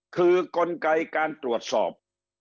คือกลไกการตรวจสอบ